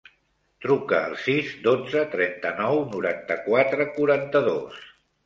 Truca al sis, dotze, trenta-nou, noranta-quatre, quaranta-dos.